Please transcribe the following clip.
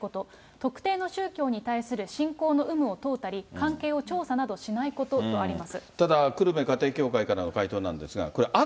特定の宗教に対する信仰の有無を問うたり、関係を調査したり等しないこととあります。